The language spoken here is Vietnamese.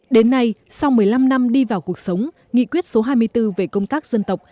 đến nay sau một mươi năm năm đi vào cuộc sống nghị quyết số hai mươi bốn về công tác dân tộc